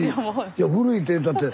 いや古いっていうたって。